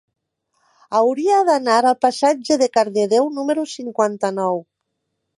Hauria d'anar al passatge de Cardedeu número cinquanta-nou.